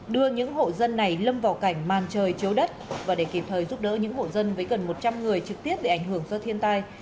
đưa những hộ dân này lâm vào cảnh màn trời chiếu đất và để kịp thời giúp đỡ những hộ dân với gần một trăm linh người trực tiếp bị ảnh hưởng do thiên tai